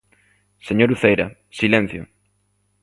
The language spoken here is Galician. Señora Uceira, ¡silencio!